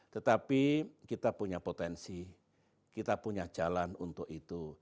tetapi kita punya potensi kita punya jalan untuk itu